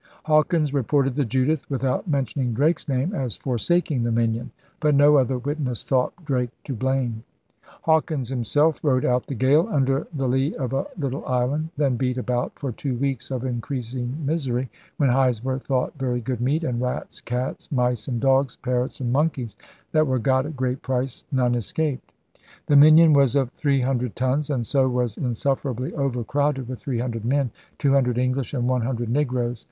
Hawkins reported the Judith, without mentioning Drake's name, as 'forsaking' the Minion. But no other witness thought Drake to blame. Hawkins himself rode out the gale under the lee of a little island, then beat about for two weeks of increasing misery, when * hides were thought very good meat, and rats, cats, mice, and dogs, parrots and monkeys that were got at great price, none escaped. ' The Minion was of three hundred tons; and so was insufferably overcrowded with three hundred men, two hundred English and one hundred negroes.